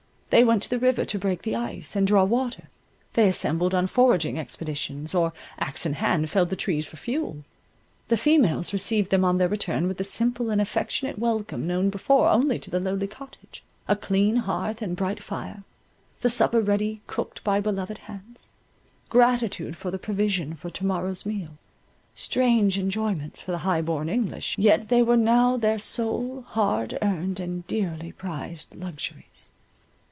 They went to the river to break the ice, and draw water: they assembled on foraging expeditions, or axe in hand felled the trees for fuel. The females received them on their return with the simple and affectionate welcome known before only to the lowly cottage—a clean hearth and bright fire; the supper ready cooked by beloved hands; gratitude for the provision for to morrow's meal: strange enjoyments for the high born English, yet they were now their sole, hard earned, and dearly prized luxuries.